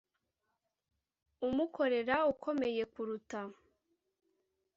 umukorera ukomeye kuruta